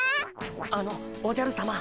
あのおじゃるさま！